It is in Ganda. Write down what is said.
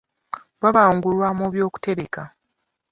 Baabangulwa mu by'okutereka.